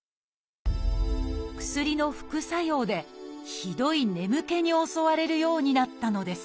薬の副作用でひどい眠気に襲われるようになったのです。